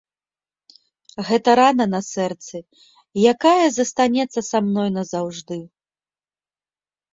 Гэта рана на сэрцы, якая застанецца са мной назаўжды.